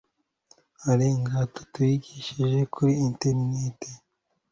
arenga atatu yigisha kuri interineti